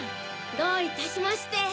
どういたしまして！